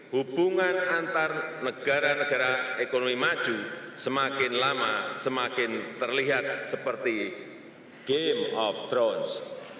hubungan antar negara negara ekonomi maju semakin lama semakin terlihat seperti game of thrones